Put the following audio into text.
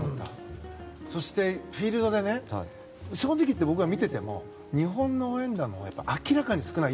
そして、フィールドで正直言って、僕は見てても日本の応援団のほうが明らかに少ない。